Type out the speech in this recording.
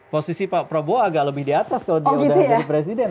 posisi pak prabowo agak lebih di atas kalau dia udah jadi presiden